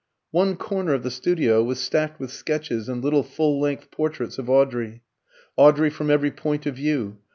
One corner of the studio was stacked with sketches and little full length portraits of Audrey. Audrey from every point of view.